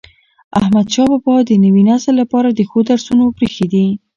احمدشاه بابا د نوي نسل لپاره د ښو درسونه پريښي دي.